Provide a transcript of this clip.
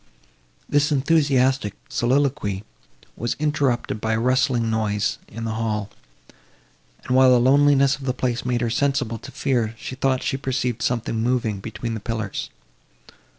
This enthusiastic soliloquy was interrupted by a rustling noise in the hall; and, while the loneliness of the place made her sensible to fear, she thought she perceived something moving between the pillars.